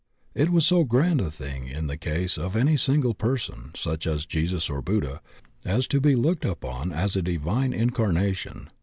It was so grand a thing in the case of any single per son, such as Jesus or Buddha, as to be looked upon as a divine incarnation.